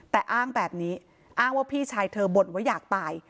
แต่อ้างแบบนี้อ้างว่าพี่ชายเธอบ่นว่าอยากตาย